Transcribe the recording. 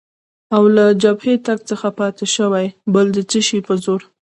او له جبهې تګ څخه پاتې شوې، بل د څه شي په زور؟